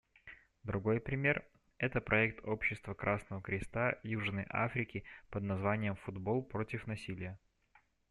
Другой пример — это проект общества Красного Креста Южной Африки под названием «Футбол против насилия».